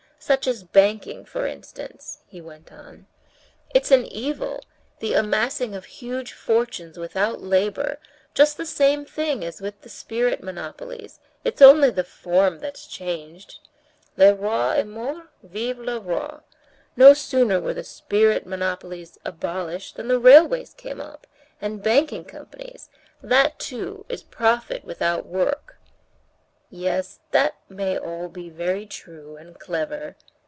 "Such as banking, for instance," he went on. "It's an evil—the amassing of huge fortunes without labor, just the same thing as with the spirit monopolies, it's only the form that's changed. Le roi est mort, vive le roi. No sooner were the spirit monopolies abolished than the railways came up, and banking companies; that, too, is profit without work." "Yes, that may all be very true and clever....